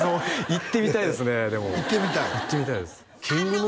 行ってみたいです